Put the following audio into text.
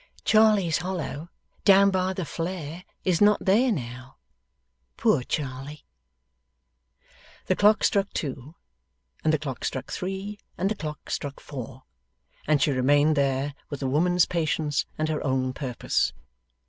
'Charley's hollow down by the flare is not there now. Poor Charley!' The clock struck two, and the clock struck three, and the clock struck four, and she remained there, with a woman's patience and her own purpose.